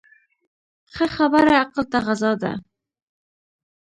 ښه خبره عقل ته غذا ده.